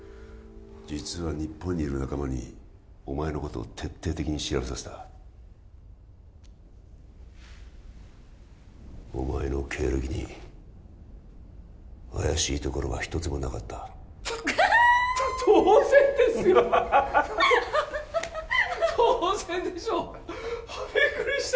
実は日本にいる仲間にお前のことを徹底的に調べさせたお前の経歴に怪しいところが一つもなかったあはは！と当然ですよ！ハハハ当然でしょうビックリした！